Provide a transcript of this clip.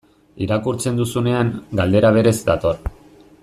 Irakurtzen duzunean, galdera berez dator.